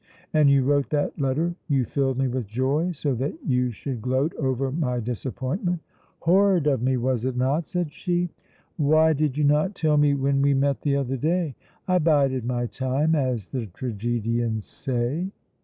"And you wrote that letter, you filled me with joy, so that you should gloat over my disappointment?" "Horrid of me, was it not!" said she. "Why did you not tell me when we met the other day?" "I bided my time, as the tragedians say."